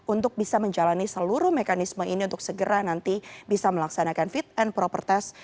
untuk bisa menjalani seluruh mekanisme ini untuk segera nanti bisa melaksanakan fit and proper test